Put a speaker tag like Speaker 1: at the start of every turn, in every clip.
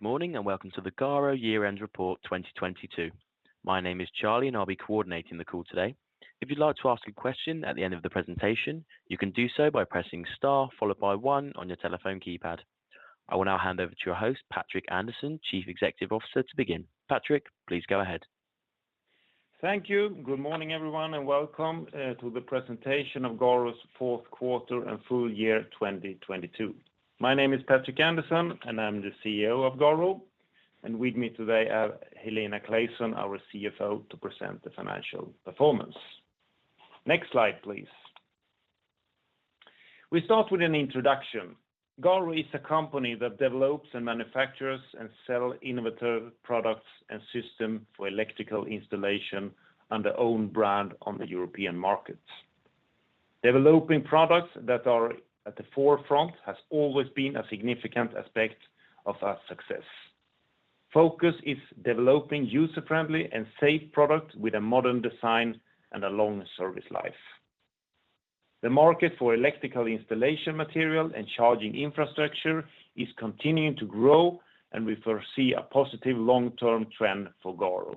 Speaker 1: Good morning, and welcome to the GARO Year-End Report 2022. My name is Charlie, and I'll be coordinating the call today. If you'd like to ask a question at the end of the presentation, you can do so by pressing star followed by one on your telephone keypad. I will now hand over to your host, Patrik Andersson, Chief Executive Officer to begin. Patrik, please go ahead.
Speaker 2: Thank you. Good morning, everyone, and welcome to the presentation of GARO's fourth quarter and full year 2022. My name is Patrik Andersson, and I'm the CEO of GARO. With me today, Helena Claesson, our CFO, to present the financial performance. Next slide, please. We start with an introduction. GARO is a company that develops and manufactures and sell innovative products and system for electrical installation under own brand on the European markets. Developing products that are at the forefront has always been a significant aspect of our success. Focus is developing user-friendly and safe products with a modern design and a long service life. The market for electrical installation material and charging infrastructure is continuing to grow, and we foresee a positive long-term trend for GARO.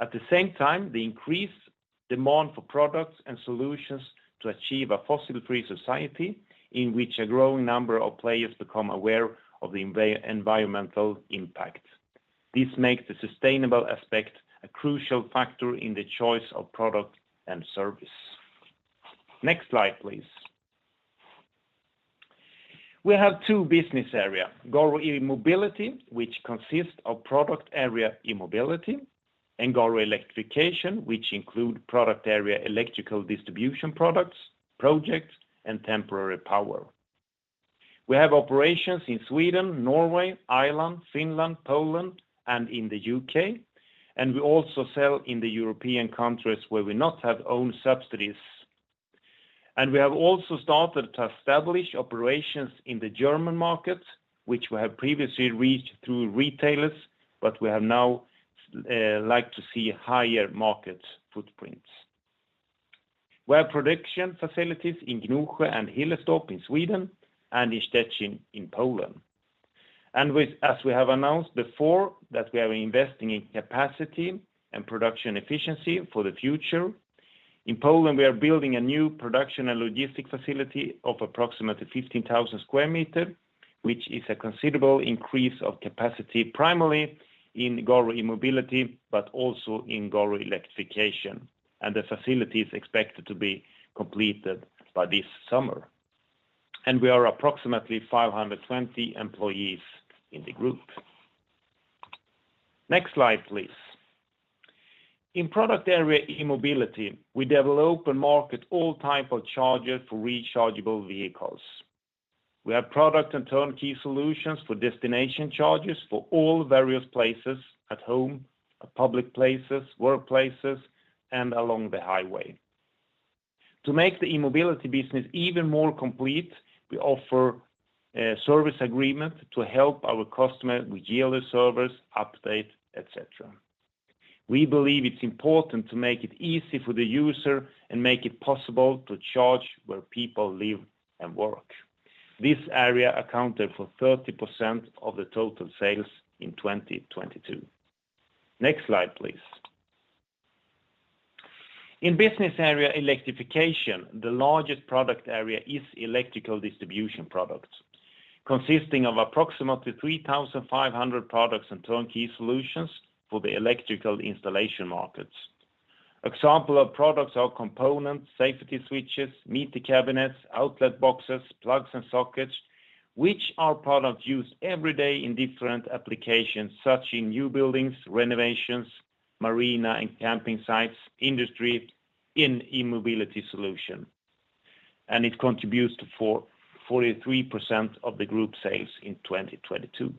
Speaker 2: At the same time, the increased demand for products and solutions to achieve a fossil-free society in which a growing number of players become aware of the environmental impact. This makes the sustainable aspect a crucial factor in the choice of product and service. Next slide, please. We have two business area, GARO E-mobility, which consists of product area E-mobility, and GARO Electrification, which include product area electrical distribution products, projects, and temporary power. We have operations in Sweden, Norway, Ireland, Finland, Poland, and in the U.K. We also sell in the European countries where we not have own subsidiaries. We have also started to establish operations in the German market, which we have previously reached through retailers, but we have now like to see higher market footprints. We have production facilities in Gnosjö and Hillerstorp in Sweden and in Szczecin in Poland. As we have announced before that we are investing in capacity and production efficiency for the future, in Poland, we are building a new production and logistic facility of approximately 15,000 square meter, which is a considerable increase of capacity primarily in GARO E-mobility, but also in GARO Electrification. The facility is expected to be completed by this summer. We are approximately 520 employees in the group. Next slide, please. In product area E-mobility, we develop and market all type of chargers for rechargeable vehicles. We have product and turnkey solutions for destination chargers for all various places, at home, at public places, workplaces, and along the highway. To make the E-mobility business even more complete, we offer a service agreement to help our customer with yearly service, update, et cetera. We believe it's important to make it easy for the user and make it possible to charge where people live and work. This area accounted for 30% of the total sales in 2022. Next slide, please. In business area Electrification, the largest product area is electrical distribution products, consisting of approximately 3,500 products and turnkey solutions for the electrical installation markets. Example of products are components, safety switches, meter cabinets, outlet boxes, plugs and sockets, which are products used every day in different applications, such in new buildings, renovations, marina and camping sites, industry in e-mobility solution. It contributes to for 43% of the group sales in 2022.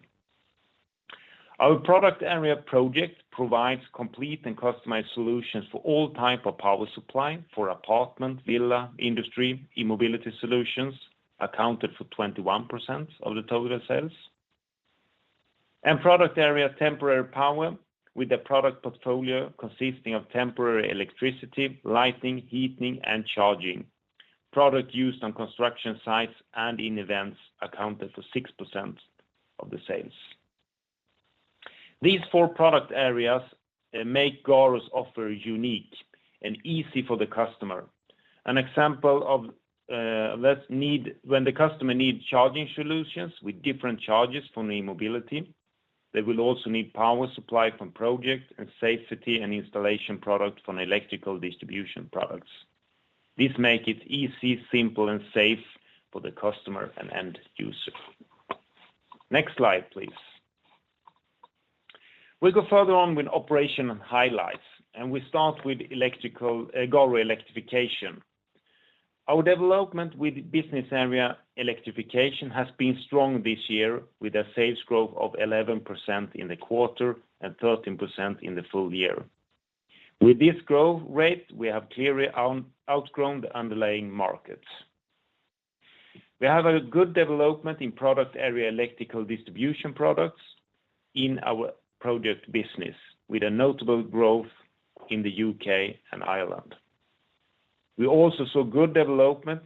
Speaker 2: Our product area project provides complete and customized solutions for all type of power supply for apartment, villa, industry, e-mobility solutions, accounted for 21% of the total sales. Product area temporary power with a product portfolio consisting of temporary electricity, lighting, heating, and charging. Product used on construction sites and in events accounted for 6% of the sales. These four product areas make GARO's offer unique and easy for the customer. An example of when the customer need charging solutions with different charges from the E-mobility, they will also need power supply from project and safety and installation product from electrical distribution products. This make it easy, simple, and safe for the customer and end user. Next slide, please. We go further on with operation and highlights, we start with Garo Electrification. Our development with business area Electrification has been strong this year with a sales growth of 11% in the quarter and 13% in the full year. With this growth rate, we have clearly outgrown the underlying markets. We have a good development in product area electrical distribution products in our project business with a notable growth in the UK and Ireland. We also saw good development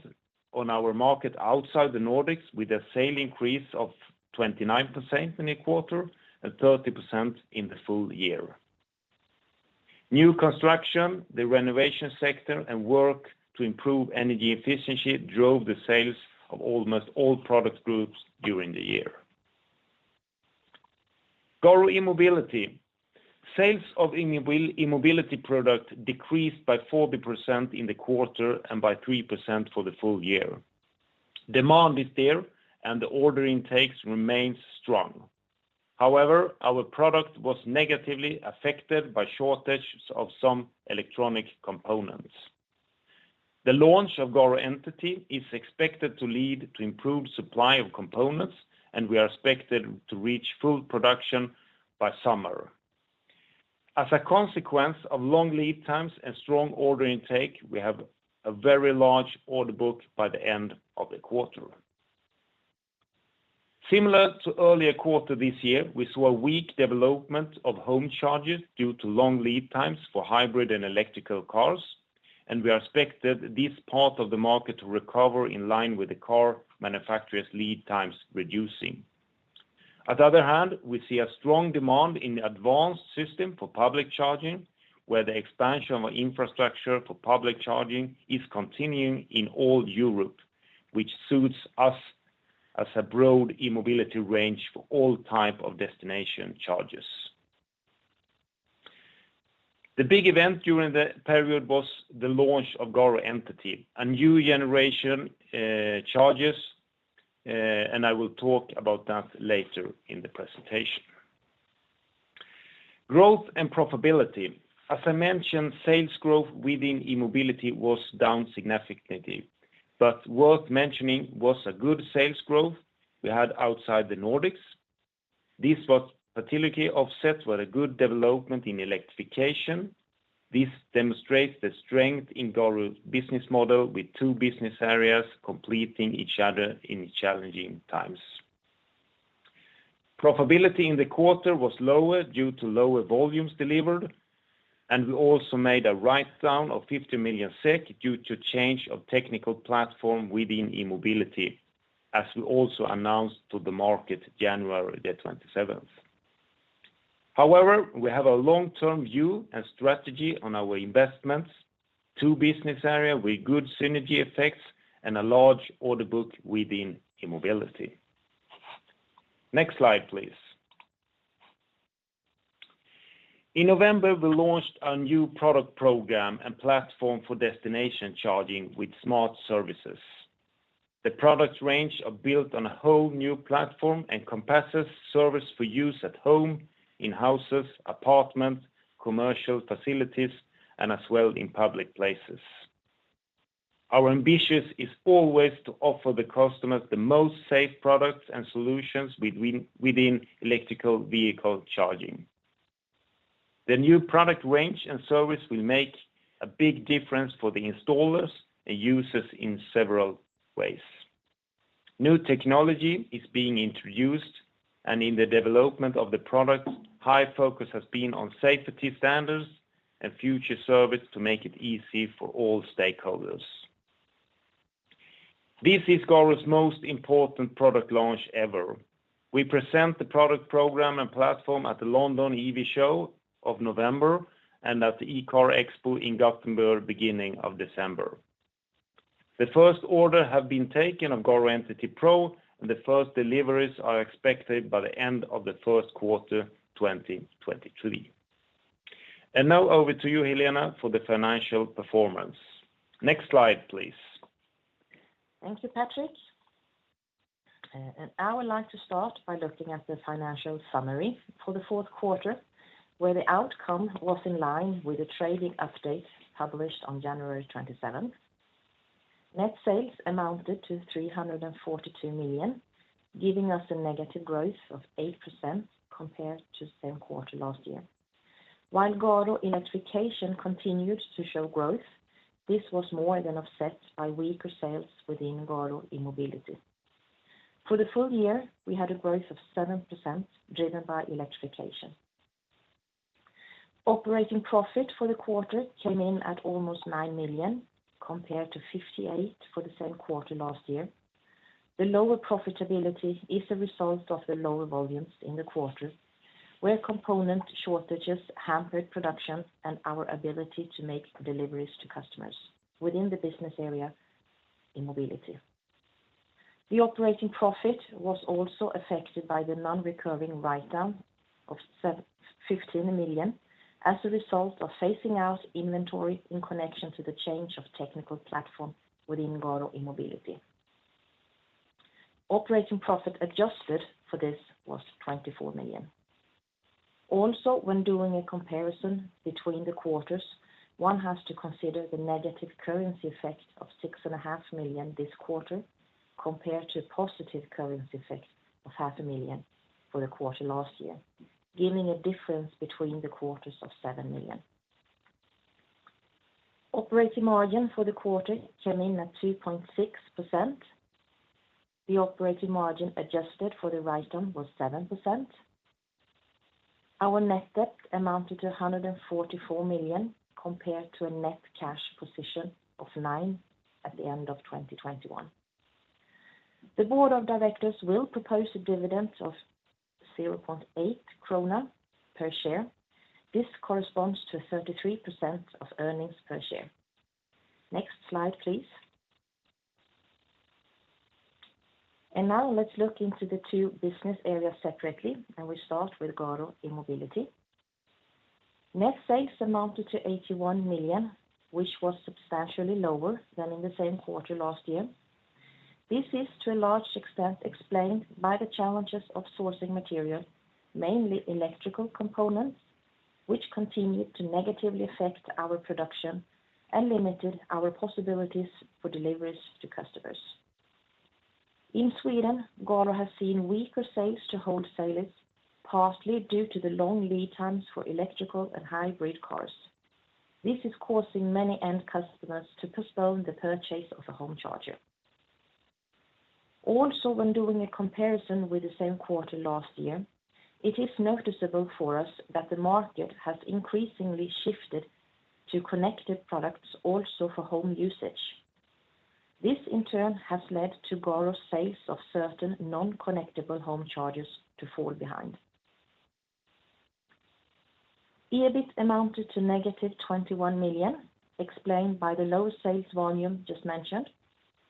Speaker 2: on our market outside the Nordics with a sale increase of 29% in the quarter and 30% in the full year. New construction, the renovation sector, and work to improve energy efficiency drove the sales of almost all product groups during the year. Garo E-Mobility. Sales of e-mobility product decreased by 40% in the quarter and by 3% for the full year. Demand is there, and the order intakes remains strong. However, our product was negatively affected by shortages of some electronic components. The launch of GARO Entity is expected to lead to improved supply of components. We are expected to reach full production by summer. As a consequence of long lead times and strong order intake, we have a very large order book by the end of the quarter. Similar to earlier quarter this year, we saw a weak development of home charges due to long lead times for hybrid and electrical cars. We are expected this part of the market to recover in line with the car manufacturer's lead times reducing. At the other hand, we see a strong demand in advanced system for public charging, where the expansion of infrastructure for public charging is continuing in all Europe, which suits us as a broad e-mobility range for all type of destination charges. The big event during the period was the launch of GARO Entity, a new generation charges. I will talk about that later in the presentation. Growth and profitability. As I mentioned, sales growth within E-mobility was down significantly. Worth mentioning was a good sales growth we had outside the Nordics. This was particularly offset with a good development in Electrification. This demonstrates the strength in GARO's business model with two business area completing each other in challenging times. Profitability in the quarter was lower due to lower volumes delivered. We also made a write down of 50 million SEK due to change of technical platform within E-mobility, as we also announced to the market January 27. We have a long-term view and strategy on our investments, two business area with good synergy effects and a large order book within E-mobility. Next slide, please. In November, we launched a new product program and platform for destination charging with smart services. The product range are built on a whole new platform and encompasses service for use at home, in houses, apartments, commercial facilities, and as well in public places. Our ambitious is always to offer the customers the most safe products and solutions within electrical vehicle charging. The new product range and service will make a big difference for the installers and users in several ways. New technology is being introduced, in the development of the product, high focus has been on safety standards and future service to make it easy for all stakeholders. This is Garo's most important product launch ever. We present the product program and platform at the London EV Show of November and at the eCarExpo in Gothenburg beginning of December. The first order has been taken of GARO Entity Pro, the first deliveries are expected by the end of the first quarter, 2023. Now over to you, Helena, for the financial performance. Next slide, please.
Speaker 3: Thank you, Patrik. I would like to start by looking at the financial summary for the fourth quarter, where the outcome was in line with the trading update published on January 27th. Net sales amounted to 342 million, giving us a negative growth of 8% compared to same quarter last year. While GARO Electrification continued to show growth, this was more than offset by weaker sales within GARO E-mobility. For the full year, we had a growth of 7% driven by electrification. Operating profit for the quarter came in at almost 9 million compared to 58 million for the same quarter last year. The lower profitability is a result of the lower volumes in the quarter, where component shortages hampered production and our ability to make deliveries to customers within the business area, E-mobility. The operating profit was also affected by the non-recurring write down of 15 million as a result of phasing out inventory in connection to the change of technical platform within GARO E-mobility. Operating profit adjusted for this was 24 million. When doing a comparison between the quarters, one has to consider the negative currency effect of 6.5 million this quarter compared to positive currency effect of half a million for the quarter last year, giving a difference between the quarters of 7 million. Operating margin for the quarter came in at 2.6%. The operating margin adjusted for the write down was 7%. Our net debt amounted to 144 million compared to a net cash position of 9 million at the end of 2021. The board of directors will propose a dividend of 0.8 krona per share. This corresponds to 33% of earnings per share. Next slide, please. Now let's look into the two business areas separately and we start with GARO in mobility. Net sales amounted to 81 million, which was substantially lower than in the same quarter last year. This is to a large extent explained by the challenges of sourcing material, mainly electrical components, which continued to negatively affect our production and limited our possibilities for deliveries to customers. In Sweden, GARO has seen weaker sales to wholesalers, partly due to the long lead times for electrical and hybrid cars. This is causing many end customers to postpone the purchase of a home charger. Also, when doing a comparison with the same quarter last year, it is noticeable for us that the market has increasingly shifted to connected products also for home usage. This in turn has led to GARO sales of certain non-connectable home chargers to fall behind. EBIT amounted to negative 21 million explained by the low sales volume just mentioned.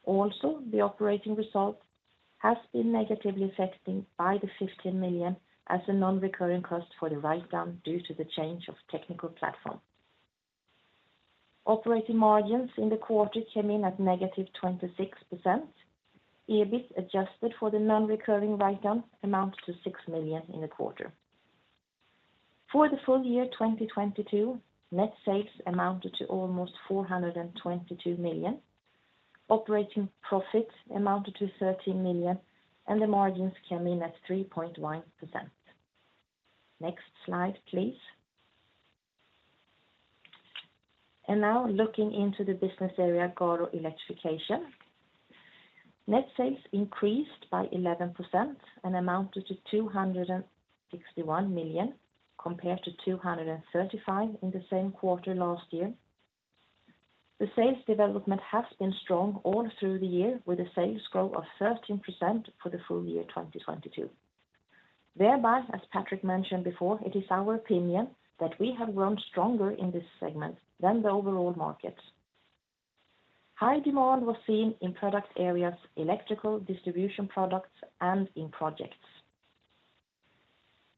Speaker 3: The operating result has been negatively affecting by the 15 million as a non-recurring cost for the write-down due to the change of technical platform. Operating margins in the quarter came in at negative 26%. EBIT adjusted for the non-recurring write-down amounted to 6 million in the quarter. For the full year 2022, net sales amounted to almost 422 million. Operating profits amounted to 13 million. The margins came in at 3.1%. Next slide, please. Now looking into the business area, GARO Electrification. Net sales increased by 11% and amounted to 261 million compared to 235 million in the same quarter last year. The sales development has been strong all through the year with a sales growth of 13% for the full year 2022. As Patrik mentioned before, it is our opinion that we have grown stronger in this segment than the overall market. High demand was seen in product areas, electrical distribution products, and in projects.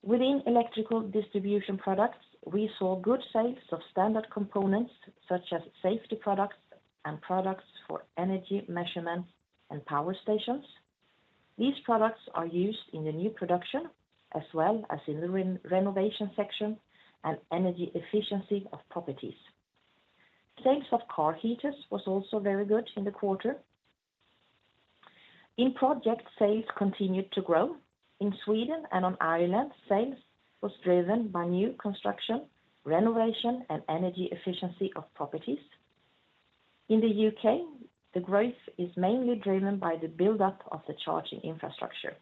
Speaker 3: Within electrical distribution products, we saw good sales of standard components such as safety products and products for energy measurement and power stations. These products are used in the new production as well as in the renovation section and energy efficiency of properties. Sales of car heaters was also very good in the quarter. In projects, sales continued to grow. In Sweden and on Ireland, sales was driven by new construction, renovation, and energy efficiency of properties. In the U.K., the growth is mainly driven by the build-up of the charging infrastructure.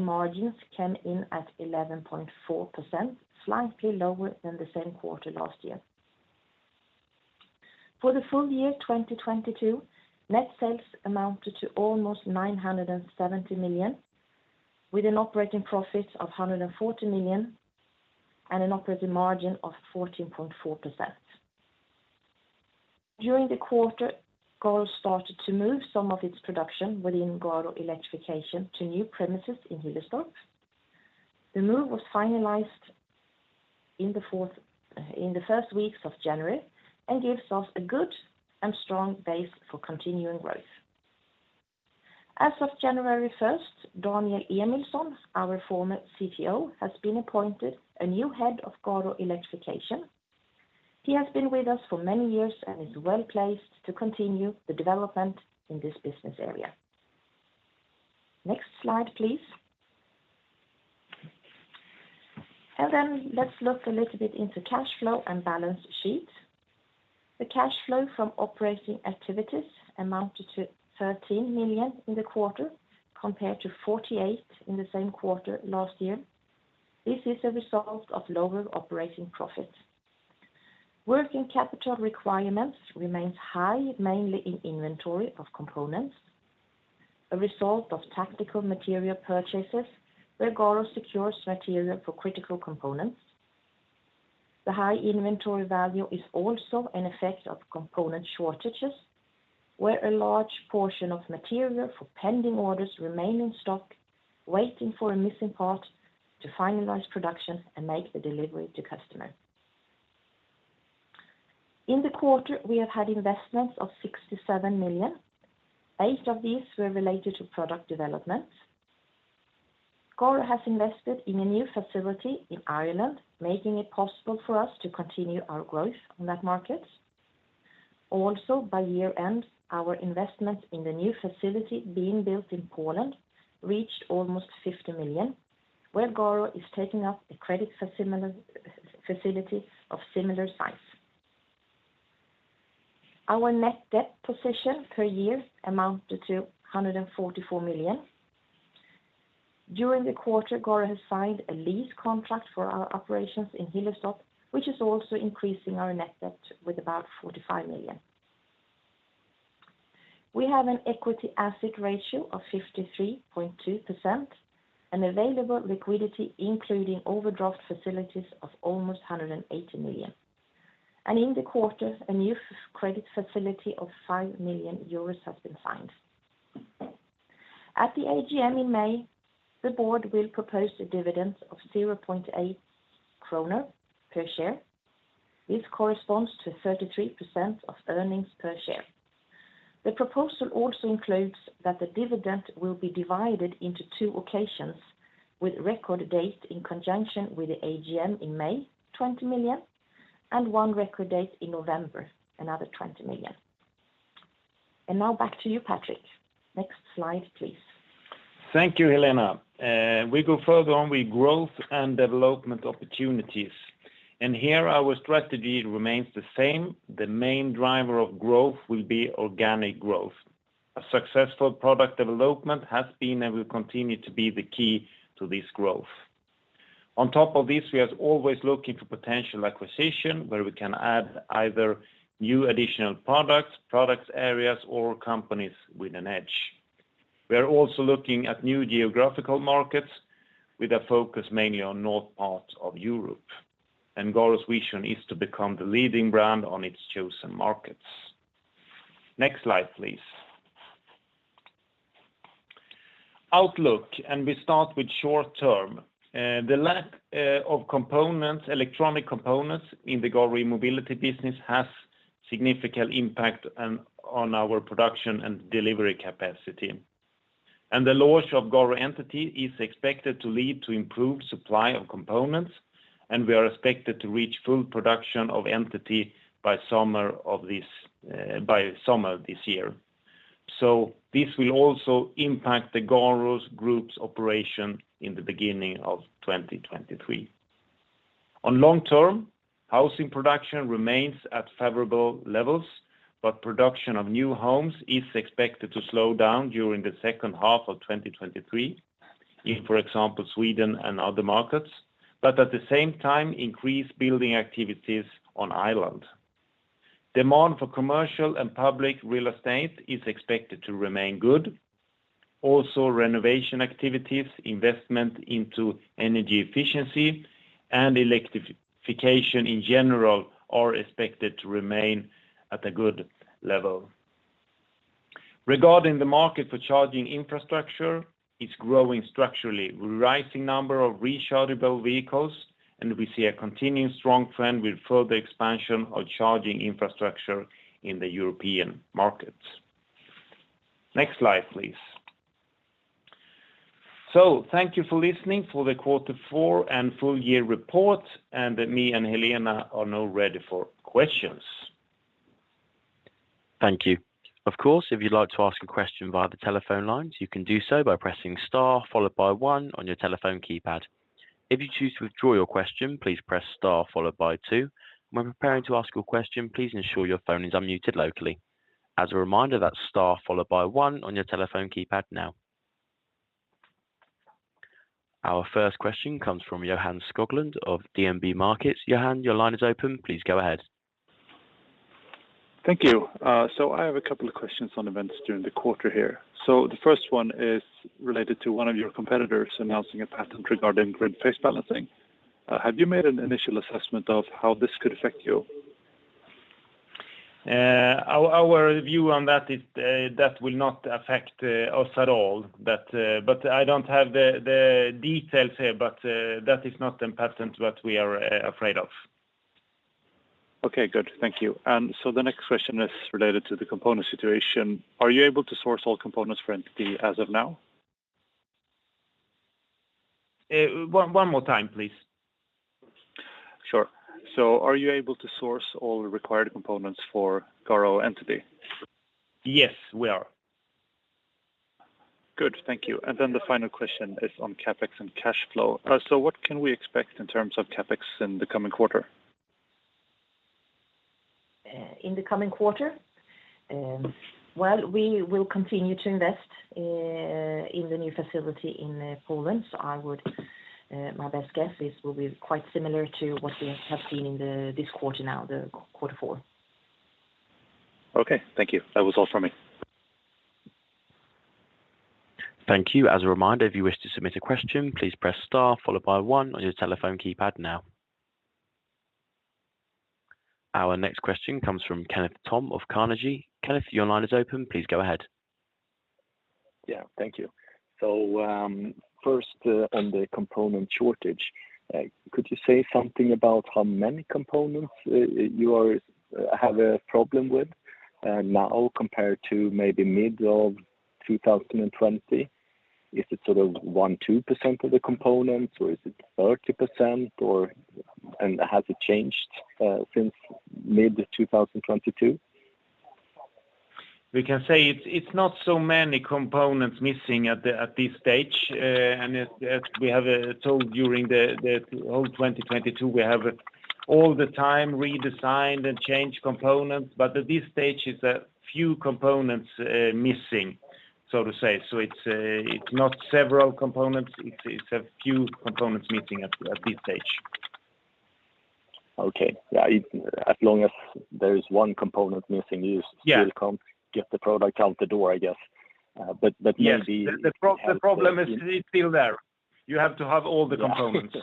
Speaker 3: Margins came in at 11.4%, slightly lower than the same quarter last year. EBIT amounted to approximately SEK 30 million. For the full year 2022, net sales amounted to almost 970 million, with an operating profit of 140 million and an operating margin of 14.4%. During the quarter, GARO started to move some of its production within GARO Electrification to new premises in Hillerstorp. The move was finalized in the first weeks of January and gives us a good and strong base for continuing growth. As of January 1, Daniel Emilsson, our former CTO, has been appointed a new Head of GARO Electrification. He has been with us for many years and is well-placed to continue the development in this business area. Next slide, please. Let's look a little bit into cash flow and balance sheet. The cash flow from operating activities amounted to 13 million in the quarter, compared to 48 million in the same quarter last year. This is a result of lower operating profits. Working capital requirements remains high, mainly in inventory of components, a result of tactical material purchases where GARO secures material for critical components. The high inventory value is also an effect of component shortages, where a large portion of material for pending orders remain in stock, waiting for a missing part to finalize production and make the delivery to customer. In the quarter, we have had investments of 67 million. 8 of these were related to product developments. GARO has invested in a new facility in Ireland, making it possible for us to continue our growth on that market. By year-end, our investment in the new facility being built in Poland reached almost 50 million, where GARO is taking up a credit facility of similar size. Our net debt position per year amount to 144 million. During the quarter, GARO has signed a lease contract for our operations in Hillerstorp, which is also increasing our net debt with about 45 million. We have an equity asset ratio of 53.2% and available liquidity, including overdraft facilities of almost 180 million. In the quarter, a new credit facility of 5 million euros has been signed. At the AGM in May, the board will propose a dividend of 0.8 Krona per share. This corresponds to 33% of earnings per share. The proposal also includes that the dividend will be divided into two occasions with record date in conjunction with the AGM in May, 20 million, and one record date in November, another 20 million. Now back to you, Patrik. Next slide, please.
Speaker 2: Thank you, Helena. We go further on with growth and development opportunities, here our strategy remains the same. The main driver of growth will be organic growth. A successful product development has been and will continue to be the key to this growth. On top of this, we are always looking for potential acquisition where we can add either new additional products areas or companies with an edge. We are also looking at new geographical markets with a focus mainly on north parts of Europe. GARO's vision is to become the leading brand on its chosen markets. Next slide, please. Outlook, we start with short term. The lack of components, electronic components in the GARO E-mobility business has significant impact on our production and delivery capacity. The launch of GARO Entity is expected to lead to improved supply of components, and we are expected to reach full production of Entity by summer of this year. This will also impact the GARO Group's operation in the beginning of 2023. On long term, housing production remains at favorable levels, but production of new homes is expected to slow down during the second half of 2023 in, for example, Sweden and other markets, but at the same time increase building activities on Ireland. Demand for commercial and public real estate is expected to remain good. Renovation activities, investment into energy efficiency and electrification in general are expected to remain at a good level. Regarding the market for charging infrastructure, it's growing structurally with rising number of rechargeable vehicles. We see a continuing strong trend with further expansion of charging infrastructure in the European markets. Next slide, please. Thank you for listening for the quarter four and full year report. Me and Helena are now ready for questions.
Speaker 1: Thank you. Of course, if you'd like to ask a question via the telephone lines, you can do so by pressing star followed by one on your telephone keypad. If you choose to withdraw your question, please press star followed by two. When preparing to ask your question, please ensure your phone is unmuted locally. As a reminder, that's star followed by one on your telephone keypad now. Our first question comes from Johan Skoglund of DNB Markets. Johan, your line is open. Please go ahead.
Speaker 4: Thank you. I have a couple of questions on events during the quarter here. The first one is related to one of your competitors announcing a patent regarding grid phase balancing. Have you made an initial assessment of how this could affect you?
Speaker 2: Our view on that is, that will not affect us at all. I don't have the details here, but that is not the patent what we are afraid of.
Speaker 4: Okay, good. Thank you. The next question is related to the component situation. Are you able to source all components for Entity as of now?
Speaker 2: One more time, please.
Speaker 4: Sure. Are you able to source all the required components for GARO Entity?
Speaker 2: Yes, we are.
Speaker 4: Good. Thank you. The final question is on CapEx and cash flow. What can we expect in terms of CapEx in the coming quarter?
Speaker 3: In the coming quarter? Well, we will continue to invest in the new facility in Poland. I would, my best guess is will be quite similar to what we have seen in this quarter now, quarter four.
Speaker 4: Okay, thank you. That was all from me.
Speaker 1: Thank you. As a reminder, if you wish to submit a question, please press star followed by one on your telephone keypad now. Our next question comes from Kenneth Thorn of Carnegie. Kenneth, your line is open. Please go ahead.
Speaker 5: Yeah. Thank you. First, on the component shortage, could you say something about how many components you are have a problem with now compared to maybe mid of 2020? Is it sort of 1%-2% of the components, or is it 30%? Has it changed since mid 2022?
Speaker 2: We can say it's not so many components missing at this stage. As we have told during the whole 2022, we have all the time redesigned and changed components. At this stage it's a few components missing, so to say. It's not several components. It's a few components missing at this stage.
Speaker 5: Okay. Yeah, as long as there is one component missing, you still-
Speaker 2: Yeah...
Speaker 5: can't get the product out the door, I guess. but maybe-
Speaker 2: Yes. The problem is still there. You have to have all the components.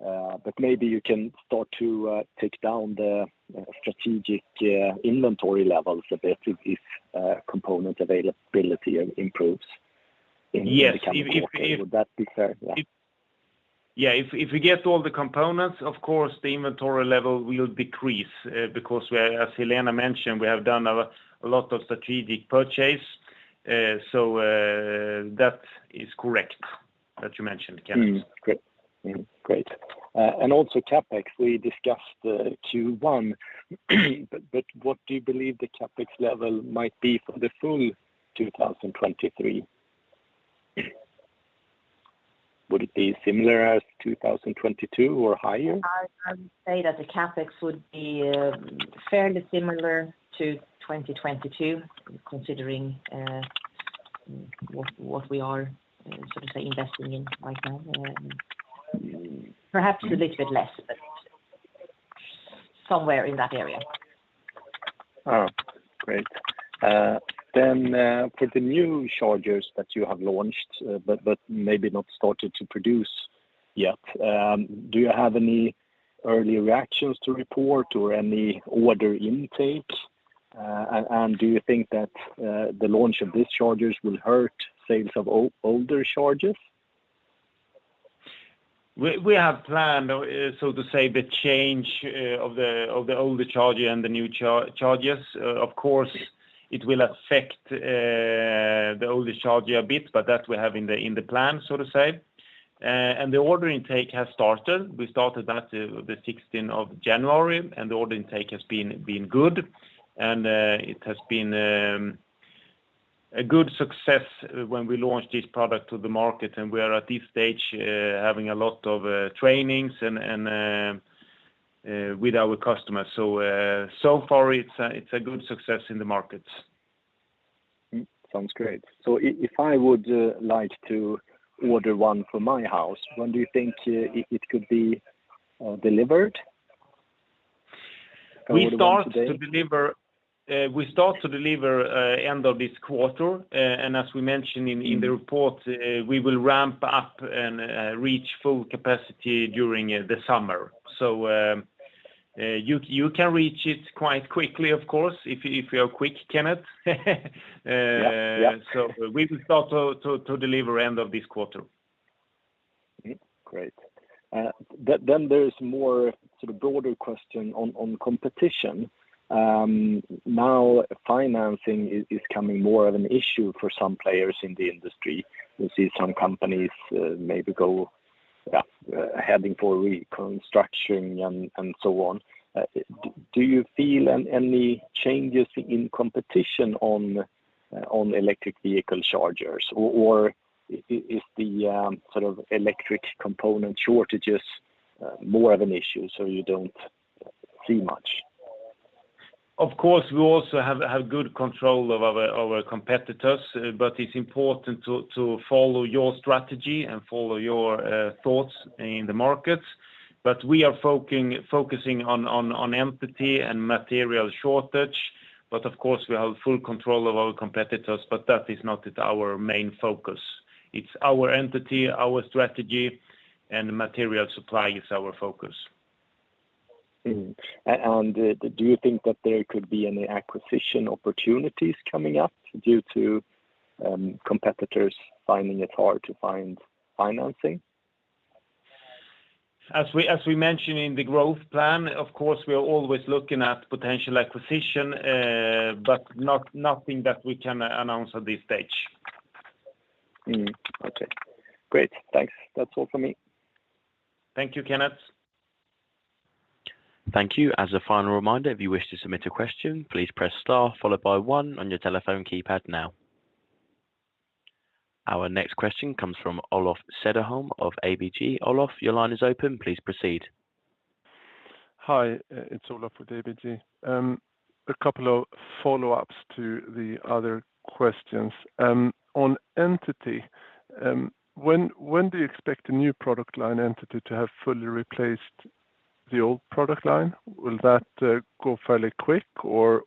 Speaker 2: Yeah.
Speaker 5: Yeah. Yeah. Maybe you can start to take down the strategic inventory levels a bit if component availability improves in the coming quarter.
Speaker 2: Yes. If.
Speaker 5: Would that be fair, yeah?
Speaker 2: Yeah, if we get all the components, of course the inventory level will decrease, because we, as Helena mentioned, we have done a lot of strategic purchase. That is correct that you mentioned, Kenneth.
Speaker 5: Great. Grt. Also CapEx, we discussed, Q1. What do you believe the CapEx level might be for the full 2023? Would it be similar as 2022 or higher?
Speaker 3: I would say that the CapEx would be fairly similar to 2022 considering what we are investing in right now. Perhaps a little bit less, but somewhere in that area.
Speaker 5: Oh, great. For the new chargers that you have launched, but maybe not started to pr oduce yet, do you have any early reactions to report or any order intake? Do you think that the launch of these chargers will hurt sales of older chargers?
Speaker 2: We have planned, so to say, the change of the older charger and the new chargers. Of course, it will affect the older charger a bit, but that we have in the plan, so to say. The order intake has started. We started that the 16th of January, and the order intake has been good. It has been a good success when we launched this product to the market and we are at this stage, having a lot of trainings and with our customers. So far it's a good success in the markets.
Speaker 5: Sounds great. If I would like to order one for my house, when do you think it could be delivered? How would it work today?
Speaker 2: We start to deliver end of this quarter. As we mentioned in the report, we will ramp up and reach full capacity during the summer. You, you can reach it quite quickly of course if you're quick, Kenneth.
Speaker 5: Yeah. Yeah.
Speaker 2: We will start to deliver end of this quarter.
Speaker 5: Great. Then there is more sort of broader question on competition. Now financing is becoming more of an issue for some players in the industry. We see some companies, maybe heading for reconstruction and so on. Do you feel any changes in competition on electric vehicle chargers? Is the sort of electric component shortages more of an issue, so you don't see much?
Speaker 2: Of course, we also have good control of our competitors, but it's important to follow your strategy and follow your thoughts in the markets. We are focusing on Entity and material shortage, but of course we have full control of our competitors, but that is not our main focus. It's our Entity, our strategy, and material supply is our focus.
Speaker 5: Mm. Do you think that there could be any acquisition opportunities coming up due to competitors finding it hard to find financing?
Speaker 2: As we mentioned in the growth plan, of course, we are always looking at potential acquisition, but nothing that we can announce at this stage.
Speaker 5: Okay. Great. Thanks. That's all for me.
Speaker 2: Thank you, Kenneth.
Speaker 1: Thank you. As a final reminder, if you wish to submit a question, please press star followed by one on your telephone keypad now. Our next question comes from Olof Cederholm of ABG. Olof, your line is open. Please proceed.
Speaker 6: Hi, it's Olof with ABG. A couple of follow-ups to the other questions. On GARO Entity, when do you expect the new product line GARO Entity to have fully replaced the old product line? Will that go fairly quick or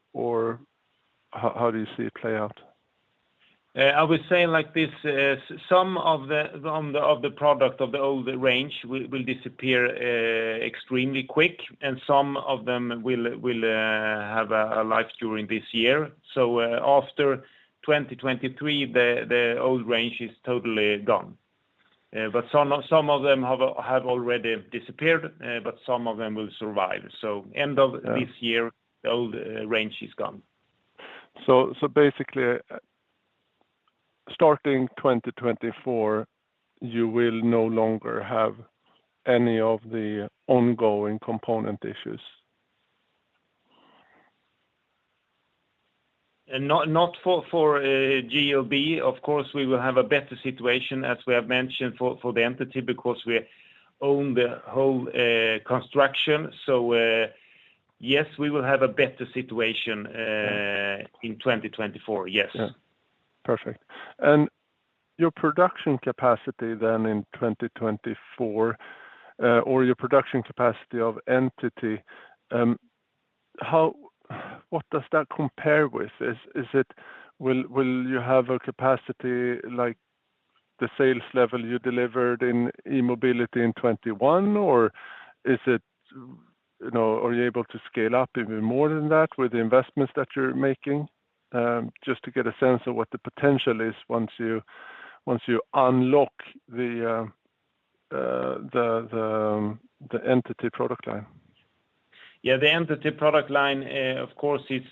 Speaker 6: how do you see it play out?
Speaker 2: I would say like this. Some of the product of the old range will disappear extremely quick, and some of them will have a life during this year. After 2023, the old range is totally gone. But some of them have already disappeared, but some of them will survive. End of this year.
Speaker 6: Yeah...
Speaker 2: the old range is gone.
Speaker 6: Starting 2024, you will no longer have any of the ongoing component issues.
Speaker 2: Not for GLB. Of course, we will have a better situation, as we have mentioned, for the Entity because we own the whole construction. Yes, we will have a better situation in 2024. Yes.
Speaker 6: Yeah. Perfect. Your production capacity then in 2024, or your production capacity of Entity, what does that compare with? Will you have a capacity like the sales level you delivered in E-mobility in 2021? Is it, you know, are you able to scale up even more than that with the investments that you're making? Just to get a sense of what the potential is once you unlock the Entity product line.
Speaker 2: Yeah. The Entity product line, of course, it's...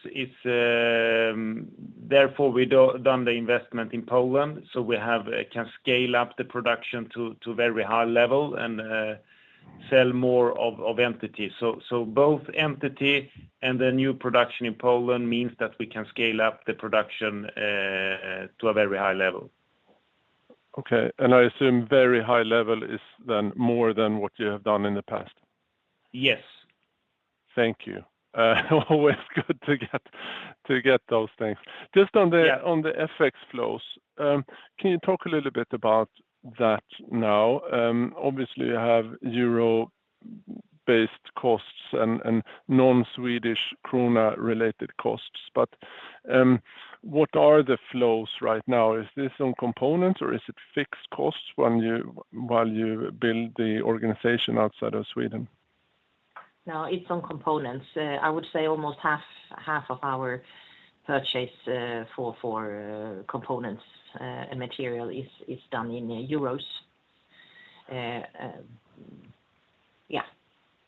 Speaker 2: We done the investment in Poland, we can scale up the production to very high level and sell more of Entity. Both Entity and the new production in Poland means that we can scale up the production to a very high level.
Speaker 6: Okay. I assume very high level is then more than what you have done in the past.
Speaker 2: Yes.
Speaker 6: Thank you. Always good to get those things.
Speaker 2: Yeah.
Speaker 6: Just on the, on the FX flows, can you talk a little bit about that now? Obviously, you have euro-based costs and non-Swedish krona-related costs. What are the flows right now? Is this on components, or is it fixed costs while you build the organization outside of Sweden?
Speaker 3: No, it's on components. I would say almost half of our purchase for components and material is done in euros. Yeah.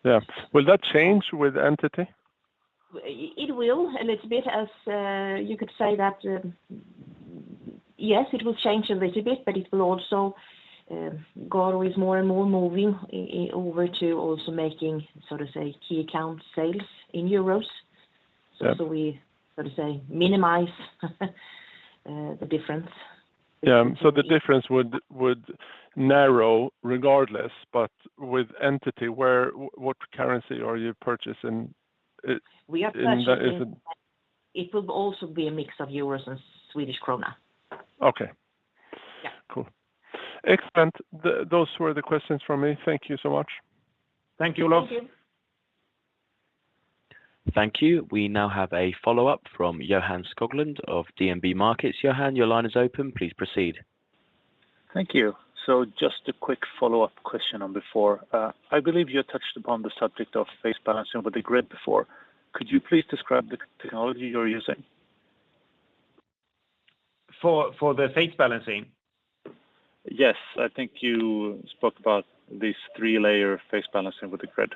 Speaker 6: Yeah. Will that change with Entity?
Speaker 3: It will a little bit, as you could say that, yes, it will change a little bit, but it will also, go always more and more moving over to also making, sort of say, key account sales in euros.
Speaker 6: Yeah.
Speaker 3: We, sort of say, minimize the difference.
Speaker 6: Yeah. The difference would narrow regardless. With GARO Entity, what currency are you purchasing it-
Speaker 3: We are purchasing.
Speaker 6: In the... Is it-
Speaker 3: It will also be a mix of euros and Swedish krona.
Speaker 6: Okay.
Speaker 3: Yeah.
Speaker 6: Cool. Excellent. Those were the questions from me. Thank you so much.
Speaker 2: Thank you, Lars.
Speaker 3: Thank you.
Speaker 1: Thank you. We now have a follow-up from Johan Skoglund of DNB Markets. Johan, your line is open. Please proceed.
Speaker 4: Thank you. Just a quick follow-up question on before. I believe you touched upon the subject of phase balancing with the grid before. Could you please describe the technology you're using?
Speaker 2: For the phase balancing?
Speaker 4: Yes. I think you spoke about this three-phase load balancing with the grid.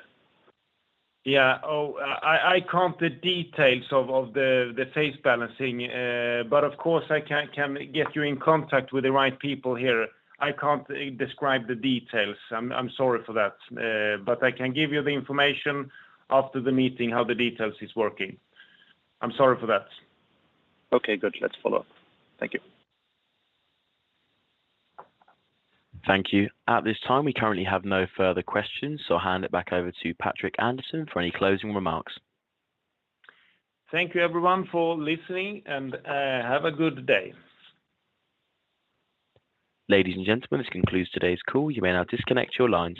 Speaker 2: Yeah. Oh, I can't the details of the phase balancing, but of course, I can get you in contact with the right people here. I can't describe the details. I'm sorry for that. I can give you the information after the meeting how the details is working. I'm sorry for that.
Speaker 4: Okay, good. Let's follow up. Thank you.
Speaker 1: Thank you. At this time, we currently have no further questions, so I'll hand it back over to Patrik Andersson for any closing remarks.
Speaker 2: Thank you everyone for listening, and have a good day.
Speaker 1: Ladies and gentlemen, this concludes today's call. You may now disconnect your lines.